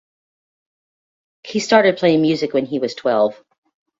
He started playing music when he was twelve.